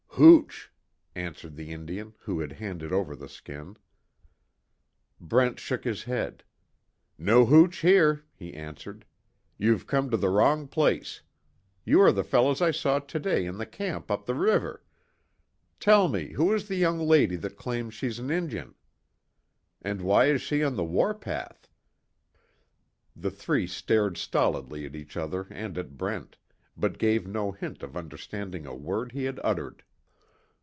"Hooch," answered the Indian who had handed over the skin. Brent shook his head: "No hooch here," he answered, "You've come to the wrong place. You are the fellow I saw today in the camp up the river. Tell me, who is the young lady that claims she's an Injun? And why is she on the war path?" The three stared stolidly at each other and at Brent, but gave no hint of understanding a word he had uttered.